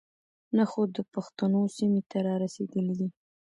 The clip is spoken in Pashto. نۀ خو د پښتنو سيمې ته را رسېدلے دے.